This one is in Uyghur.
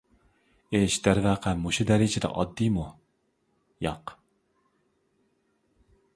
ئىش دەرۋەقە مۇشۇ دەرىجىدە ئاددىيمۇ؟ ياق!